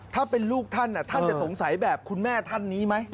ถ้าเป็นลูกท่านท่านจะสงสัยแบบคุณแม่ท่านนี้ไหม